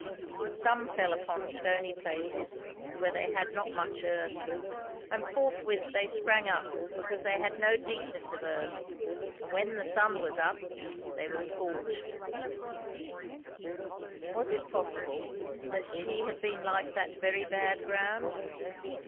"Some fell upon stony places, where they had not much earth; and forthwith they sprang up because they had no deepness of earth: and when the sun was up, they were scorched;" Was it possible, that she had been like that very bad ground?